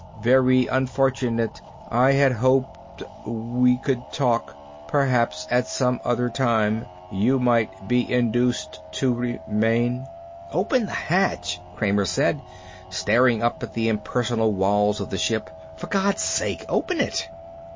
Very unfortunate. I had hoped we could talk. Perhaps at some other time you might be induced to remain." "Open the hatch!" Kramer said, staring up at the impersonal walls of the ship. "For God's sake, open it!"